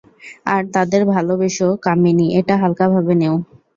আর তাদের ভালবেসো, - কামিনী, এটা হাল্কা ভাবে নেও।